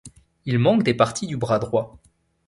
Il manque des parties du bras droit.